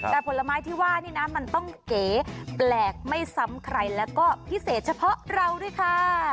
แต่ผลไม้ที่ว่านี่นะมันต้องเก๋แปลกไม่ซ้ำใครแล้วก็พิเศษเฉพาะเราด้วยค่ะ